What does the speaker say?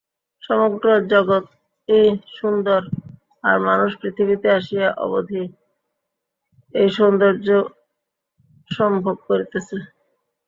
সমগ্র জগৎই সুন্দর, আর মানুষ পৃথিবীতে আসিয়া অবধি এই সৌন্দর্য সম্ভোগ করিতেছে।